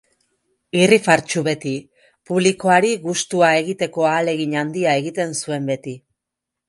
Irrifartsu beti, publikoari gustua egiteko ahalegin handia egiten zuen beti.